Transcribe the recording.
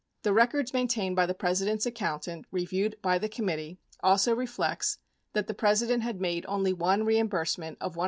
The records maintained by the Presi dent's accountant reviewed by the committee also reflects that the President had made only one reimbursement of $127.